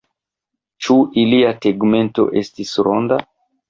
Ĉu ilia tegmento estis ronda?